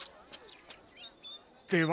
では